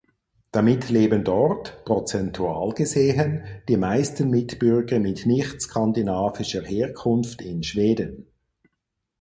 Damit leben dort, prozentual gesehen, die meisten Mitbürger mit nicht-skandinavischer Herkunft in Schweden.